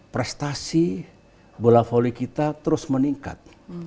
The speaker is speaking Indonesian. prestasi bola voli kita terus meningkat